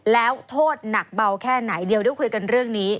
แล้วโทษหนักเบาแค่ไหนเดี๋ยวได้คุยกันเรื่องนี้